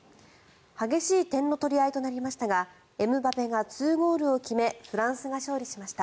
激しい点の取り合いとなりましたがエムバペが２ゴールを決めフランスが勝利しました。